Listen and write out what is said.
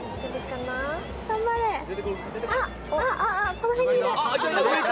この辺にいる！